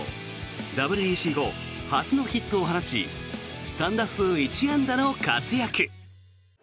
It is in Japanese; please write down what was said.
ＷＢＣ後初のヒットを放ち３打数１安打の活躍。